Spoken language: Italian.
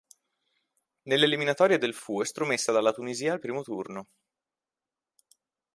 Nelle eliminatorie del fu estromessa dalla Tunisia al primo turno.